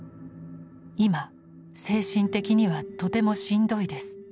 今精神的にはとてもしんどいです。